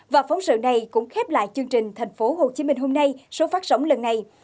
và phóng sự này cũng khép lại chương trình thành phố hồ chí minh hôm nay số phát sóng lần này